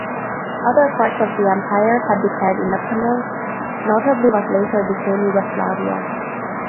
Other parts of the empire had declared independence, notably what later became Yugoslavia.